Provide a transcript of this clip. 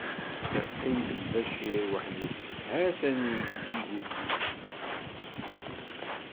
Yeqqim-d Lbacir waḥd-s, ha-t-an yeddiguti.